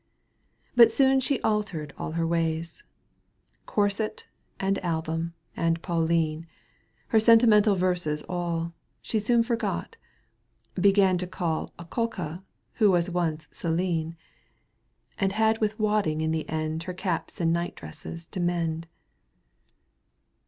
67 But soon she altered all her ways, Corset and album and PauUne, Her sentimental verses all, She soon forgot, began £o call Akulka who was once Celine, And had with wadding in the end Her caps and night dresses to mend.